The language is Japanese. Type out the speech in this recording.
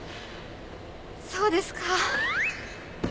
そうですか。